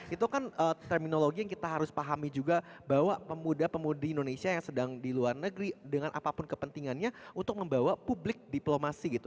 itu kan terminologi yang kita harus pahami juga bahwa pemuda pemudi indonesia yang sedang di luar negeri dengan apapun kepentingannya untuk membawa publik diplomasi gitu